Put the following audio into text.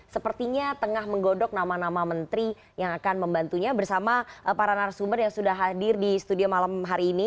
sepertinya tengah menggodok nama nama menteri yang akan membantunya bersama para narasumber yang sudah hadir di studio malam hari ini